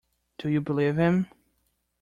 Do you believe him?